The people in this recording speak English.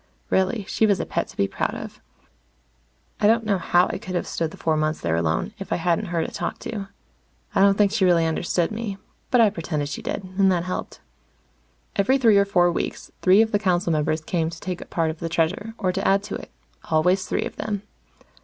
Really, she was a pet to be proud of. I don't know how I could have stood the four months there alone, if I hadn't her to talk to. I don't think she really understood me, but I pretended she did, and that helped. Every three or four weeks, three of the council members came to take a part of the Treasure, or to add to it. Always three of them.